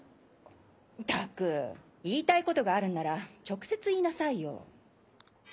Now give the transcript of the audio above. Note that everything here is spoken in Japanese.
ったく言いたいことがあるんなら直接言いなさいよ。